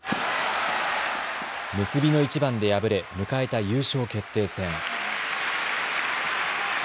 結びの一番で敗れ迎えた優勝決定戦。